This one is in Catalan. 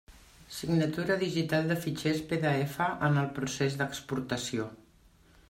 Signatura digital de fitxers PDF en el procés d'exportació.